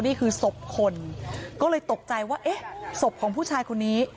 นี่คือศพคนก็เลยตกใจว่าเอ๊ะศพของผู้ชายคนนี้